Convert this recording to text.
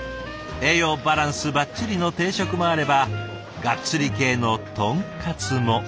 栄養バランスばっちりの定食もあればがっつり系のとんかつも。